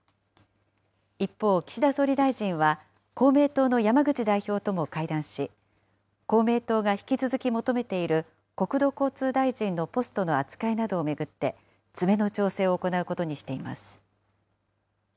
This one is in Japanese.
一方、岸田総理大臣は、公明党の山口代表とも会談し、公明党が引き続き求めている国土交通大臣のポストの扱いなどを巡って、詰めの調整を行うことにしています。